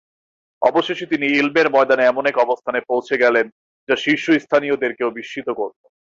অবশেষে তিনি ইলমের ময়দানে এমন এক অবস্থানে পৌঁছে গেলেন যা শীর্ষস্থানীয়দেরকেও বিস্মিত করল।